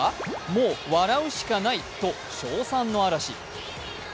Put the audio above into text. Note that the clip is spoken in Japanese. もう笑うしかない、と称賛の嵐。